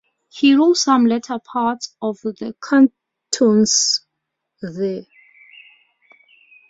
He wrote some later parts of "The Cantos" there.